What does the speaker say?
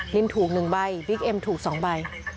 ินถูก๑ใบบิ๊กเอ็มถูก๒ใบ